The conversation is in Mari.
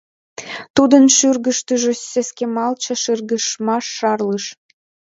Тудын шӱргыштыжӧ сескемалтше шыргыжмаш шарлыш.